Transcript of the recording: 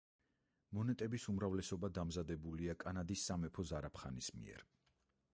მონეტების უმრავლესობა დამზადებულია კანადის სამეფო ზარაფხანის მიერ.